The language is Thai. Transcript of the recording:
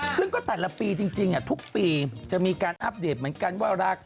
ซึ่งก็แต่ละปีจริงทุกปีจะมีการอัปเดตเหมือนกันว่าราคา